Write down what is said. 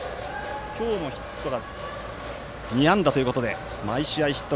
今日もヒットが２安打ということで毎試合ヒット。